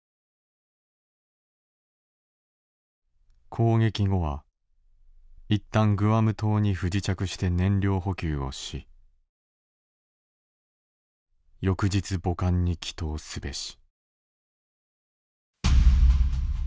「攻撃後は一旦グアム島に不時着して燃料補給をし翌日母艦に帰投すべし」。